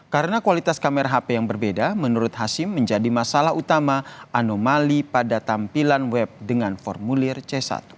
karena kualitas kamera hp yang berbeda menurut hashim menjadi masalah utama anomali pada tampilan web dengan formulir c satu